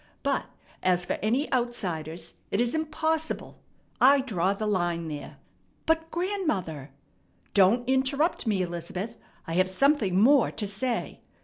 But as for any outsiders, it is impossible. I draw the line there." "But grandmother " "Don't interrupt me, Elizabeth; I have something more to say.